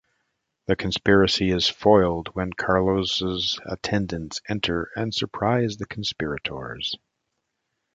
The conspiracy is foiled when Carlos's attendants enter and surprise the conspirators.